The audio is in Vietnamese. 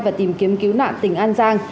và tìm kiếm cứu nạn tỉnh an giang